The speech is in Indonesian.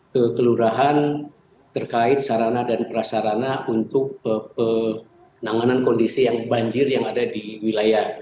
ke kelurahan terkait sarana dan prasarana untuk penanganan kondisi yang banjir yang ada di wilayah